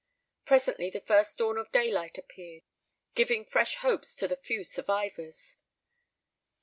Presently the first dawn of daylight appeared, giving fresh hopes to the few survivors.